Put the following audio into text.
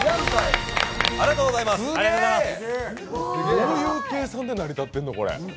どういう計算で成り立ってるの、これ！？